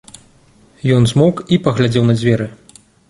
Ён змоўк і паглядзеў на дзверы.